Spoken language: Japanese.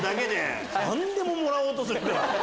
何でももらおうとするから。